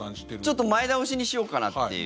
ちょっと前倒しにしようかなっていう。